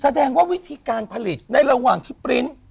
แสดงว่าวิธีการผลิตในระหว่างที่ปริ้นต์